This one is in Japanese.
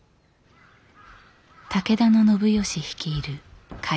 武田信義率いる甲斐